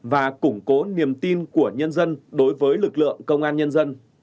và củng cố niềm tin của nhân dân đối với lực lượng công an nhân dân